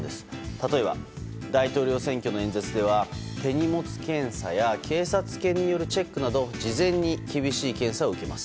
例えば、大統領選挙の演説では手荷物検査や警察犬によるチェックなど事前に厳しい検査を受けます。